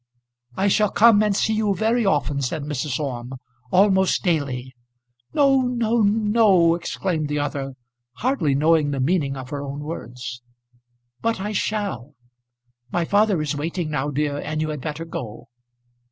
"I shall come and see you very often," said Mrs. Orme, "almost daily." "No, no, no," exclaimed the other, hardly knowing the meaning of her own words. "But I shall. My father is waiting now, dear, and you had better go."